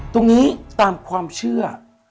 ตรงนี้ตามความเชื่อ